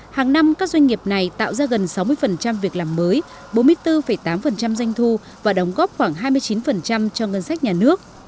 hàng năm các doanh nghiệp này tạo ra gần sáu mươi việc làm mới bốn mươi bốn tám doanh thu và đóng góp khoảng hai mươi chín cho ngân sách nhà nước